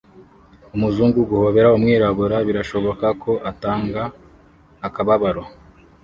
Umuzungu guhobera umwirabura birashoboka ko atanga akababaro